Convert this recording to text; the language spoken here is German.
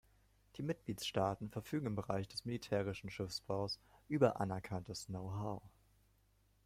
Die Mitgliedstaaten verfügen im Bereich des militärischen Schiffbaus über anerkanntes Know-how.